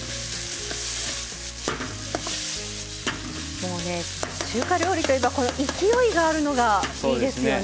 もうね中華料理といえばこの勢いがあるのがいいですよね。